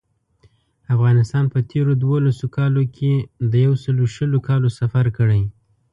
افغانستان په تېرو دولسو کالو کې د یو سل او شلو کالو سفر کړی.